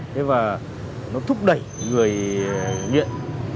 thế và nó thúc đẩy người nghiện